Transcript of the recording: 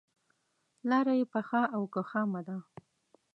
لاره یې پخه او که خامه ده.